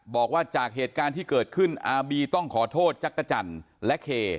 บอกว่าจากเหตุการณ์ที่เกิดขึ้นอาบีต้องขอโทษจักรจันทร์และเค